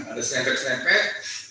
ada serepek serepek